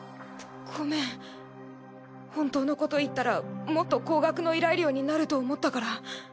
ごめん本当のこと言ったらもっと高額の依頼料になると思ったから。